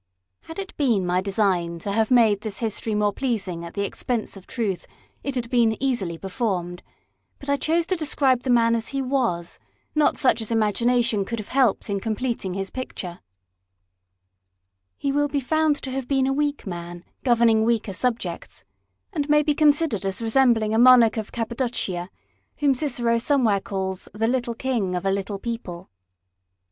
Had it been my design to have made this history more pleasing at the expense of truth, it had been easily performed ; but I chose to describe the man as he was, not such as imagination could have helped in completing his picture : he will be found to have been a weak man, governing weaker subjects, and may be considered as resembling a monarch of Cappadocia, whom Cicero somewhere calls, " the little king of a little people."